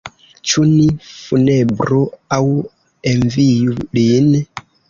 Ĉu ni funebru aŭ enviu lin?